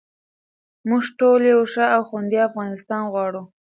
موږ ټول یو ښه او خوندي افغانستان غواړو.